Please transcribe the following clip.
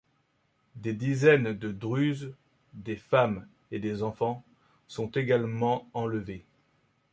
Des dizaines de Druzes, des femmes et des enfants, sont également enlevés.